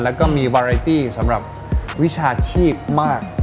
แล้วก็มีวาไรจี้สำหรับวิชาชีพมาก